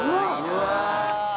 うわ。